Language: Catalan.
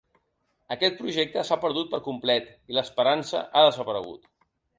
Aquest projecte s’ha perdut per complet i l’esperança ha desaparegut.